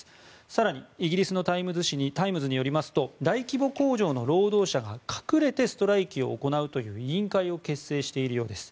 更にイギリスのタイムズによりますと大規模工場の労働者が隠れてストライキを行うという委員会を結成しているようです。